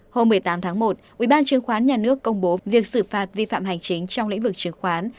hôm một mươi tám tháng một ubnd công bố việc xử phạt vi phạm hành chính trong lĩnh vực trường khoán